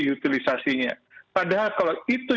utilisasinya padahal kalau itu